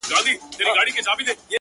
دا سپك هنر نه دى چي څوك يې پــټ كړي،